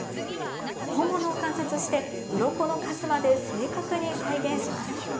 本物を観察して、うろこの数まで正確に再現します。